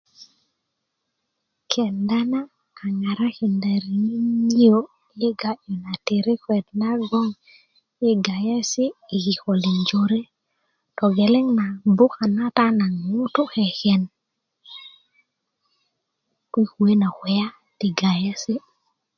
kenda na a ŋarakinda riŋit niyo i ga'yu na tirikuet nabgoŋ i gayesi i kikölin jore togeleŋ na bukan kata naŋ ŋutu keken ti kuwe na kulya ti gayesi